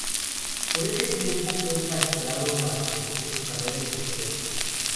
Por ese tiempo fue castrado para favorecer su carrera eclesiástica.